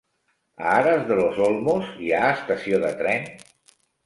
A Aras de los Olmos hi ha estació de tren?